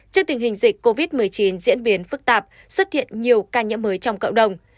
trước tình hình dịch covid một mươi chín diễn biến phức tạp xuất hiện nhiều ca nhiễm mới trong cộng đồng